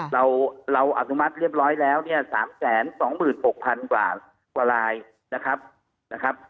เราอาจมัดเรียบร้อยแล้ว๓๒๖๐๐๐บาทกว่าลายนะครับ